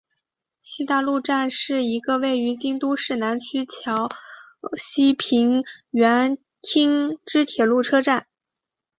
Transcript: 西大路站是一个位于京都市南区唐桥西平垣町之铁路车站。